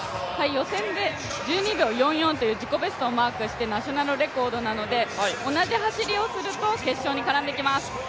予選で１２秒４４という自己ベストをマークしてナショナルレコードなので同じ走りをすると決勝に絡んできます。